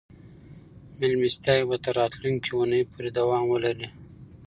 مېلمستیاوې به تر راتلونکې اونۍ پورې دوام ولري.